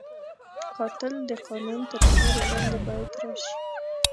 قاتل د قانون تر سیوري لاندې باید راشي